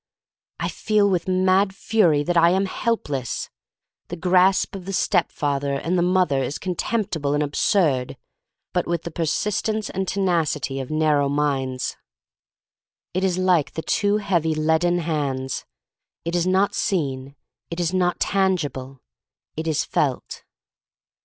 I feel with mad fury that I am helpless. The grasp of the stepfather and the mother is contemptible and absurd — but with the persistence and tenacity of THE STORY OF MARY MAC LANE 1 25 narrow minds. It is like the two heavy leaden hands. It is not seen — it is not tangible. It is felt.